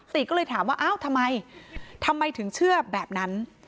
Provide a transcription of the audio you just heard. ก็เลยถามว่าอ้าวทำไมทำไมถึงเชื่อแบบนั้น